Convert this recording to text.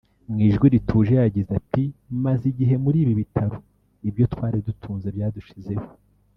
Mu ijwi rituje yagize ati ’’Maze igihe muri ibi bitaro; ibyo twari dutunze byadushizeho